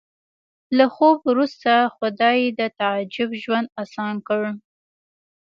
له خوب وروسته خدای د تعجب ژوند اسان کړ